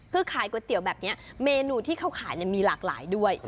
คือขายก๋วยเตี๋ยวแบบนี้เมนูที่เขาขายมีหลากหลายด้วย